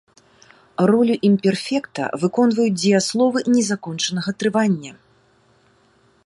Ролю імперфекта выконваюць дзеясловы незакончанага трывання.